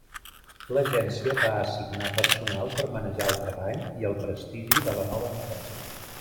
L'agència va assignar personal per manejar el treball i el prestigi de la nova empresa.